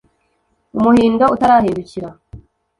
umuhindo utarahindukira